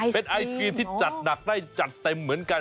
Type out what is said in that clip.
เป็นไอศกรีมที่จัดหนักได้จัดเต็มเหมือนกัน